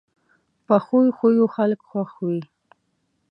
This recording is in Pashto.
پخو خویو خلک خوښ وي